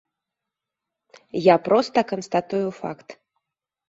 Я проста канстатую факт.